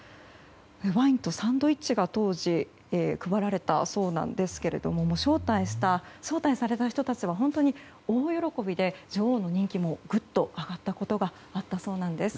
ワインとサンドイッチが当時、配られたそうですが招待された人たちは本当に大喜びで女王の人気もぐっと上がったことがあったそうです。